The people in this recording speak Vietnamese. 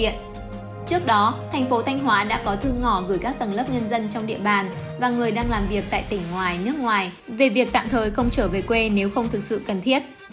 trước đó thành phố thanh hóa đã có thư ngỏ gửi các tầng lớp nhân dân trong địa bàn và người đang làm việc tại tỉnh ngoài nước ngoài về việc tạm thời không trở về quê nếu không thực sự cần thiết